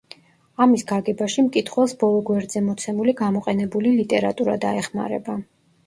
ამის გაგებაში მკითხველს ბოლო გვერდზე მოცემული „გამოყენებული ლიტერატურა“ დაეხმარება.